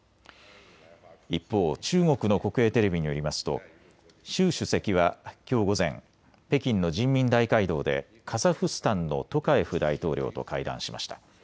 一方、中国の国営テレビによりますと習主席はきょう午前、北京の人民大会堂でカザフスタンのトカエフ大統領と会談しました。